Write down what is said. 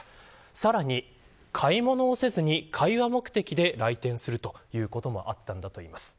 さらに買い物はせずに会話目的で来店するということもあったんだといいます。